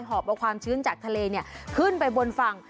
อบเอาความชื้นจากทะเลขึ้นไปบนฝั่ง